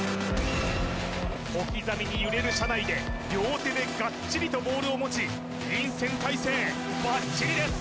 小刻みに揺れる車内で両手でガッチリとボールを持ち臨戦態勢バッチリです